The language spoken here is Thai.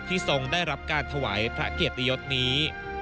ทรงได้รับการถวายพระเกียรติยศนี้